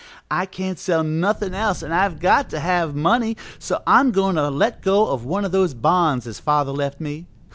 I can't sell nothin' else an' I've got to have money, so I'm goin' to let go of one of those bonds as father left me.